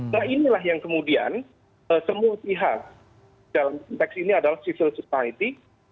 nah inilah yang kemudian semua pihak dalam konteks ini adalah civil society